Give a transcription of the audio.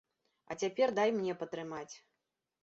А цяпер дай мне патрымаць.